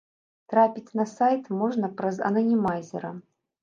Трапіць на сайт можна праз ананімайзеры.